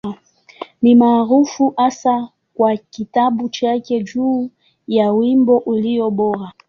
Ni maarufu hasa kwa kitabu chake juu ya Wimbo Ulio Bora.